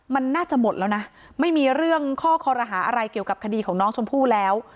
มันน่าจะหมดแล้วนะไม่มีเรื่องข้อคอรหาอะไรเกี่ยวกับคดีของน้องชมพู่แล้ว